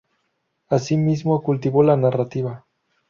Asimismo cultivó la narrativa.